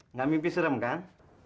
nggak mimpi serem kan